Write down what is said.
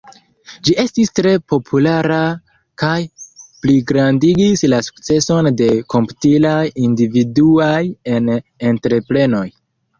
Ĝi estis tre populara kaj pligrandigis la sukceson de komputilaj individuaj en entreprenoj.